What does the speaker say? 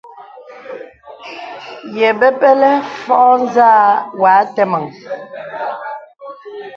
Ye bəbələ fògo nzà wà àteməŋ.